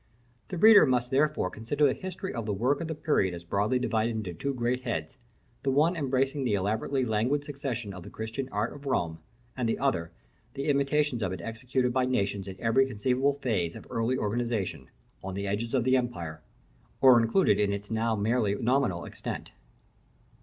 The reader must therefore consider the history of the work of the period as broadly divided into two great heads: the one embracing the elaborately languid succession of the Christian art of Rome; and the other, the imitations of it executed by nations in every conceivable phase of early organisation, on the edges of the empire, or included in its now merely nominal extent.